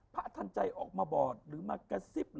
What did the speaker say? ทันใจออกมาบอดหรือมากระซิบ